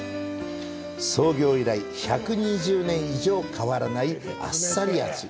創業以来１２０年以上変わらないあっさり味。